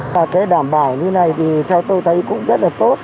và cái đảm bảo như này thì theo tôi thấy cũng rất là tốt